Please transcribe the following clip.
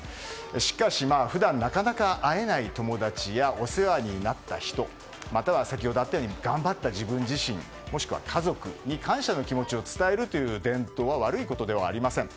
しかし、普段なかなか会えない友達やお世話になった人または先ほどあったような頑張った自分自身もしくは家族に感謝の気持ちを伝えるという伝統は悪いことではありません。